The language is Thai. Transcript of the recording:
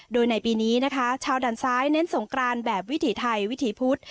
โดยในปีนี้นะคะชาวด่านซ้ายเน้นสงกรานแบบวิถีไทยวิถีพุธ